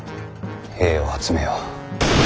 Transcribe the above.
兵を集めよ。